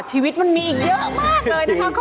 ชีวิตมันมีอีกเยอะมากเลยนะคะ